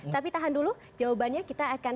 tapi tahan dulu jawabannya kita akan